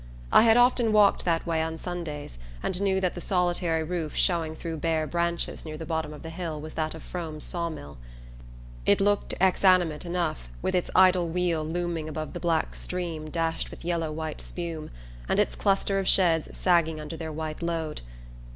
I had often walked that way on Sundays, and knew that the solitary roof showing through bare branches near the bottom of the hill was that of Frome's saw mill. It looked exanimate enough, with its idle wheel looming above the black stream dashed with yellow white spume, and its cluster of sheds sagging under their white load.